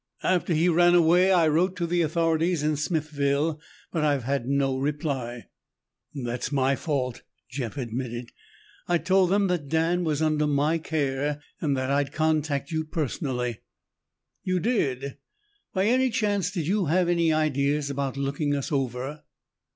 After he ran away, I wrote to the authorities in Smithville, but I've had no reply." "That's my fault," Jeff admitted. "I told them that Dan was under my care and that I'd contact you personally." "You did? By any chance did you have ideas about looking us over?"